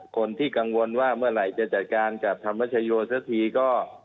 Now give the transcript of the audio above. คนที่กังวลว่าเมื่อไหร่จะจัดการกับธรรมชโยสักทีก็